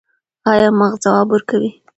ایا مغز ځواب ورکوي؟